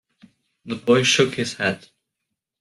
The boy shook his head.